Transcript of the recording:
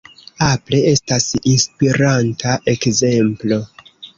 Apple estas inspiranta ekzemplo.